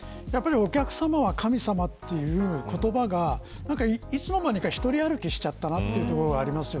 お客さまは神様という言葉がいつの間にか１人歩きしちゃったなというところがあります。